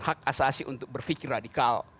hak asasi untuk berpikir radikal